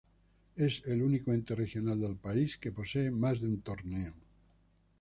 Es el único ente regional del país que posee más de un torneo.